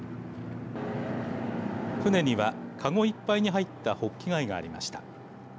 船には、籠いっぱいに入ったホッキ貝がありました。